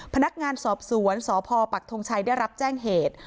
พนักงานสอบสวนสพปักทงชัยได้รับแจ้งเหตุ